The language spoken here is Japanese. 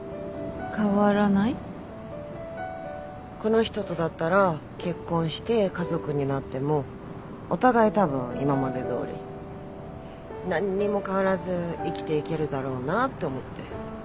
この人とだったら結婚して家族になってもお互いたぶん今までどおり何にも変わらず生きていけるだろうなって思って。